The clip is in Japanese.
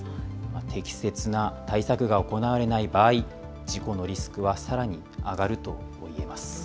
適切な対策が行われない場合、事故のリスクはさらに上がるといえます。